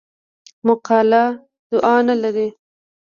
مقاله دعوا نه لري.